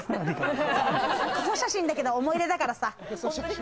クソ写真だけど思い出だからさ。